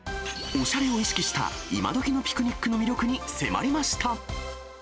おしゃれを意識した、今どきのピクニックの魅力に迫りました。